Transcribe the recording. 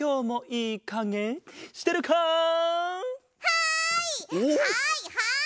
はいはい！